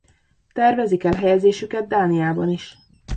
Tervezik elhelyezésüket Dániában is.